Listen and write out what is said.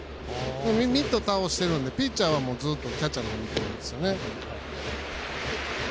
ミット倒してるのでピッチャーはキャッチャーの方見てるんですよね。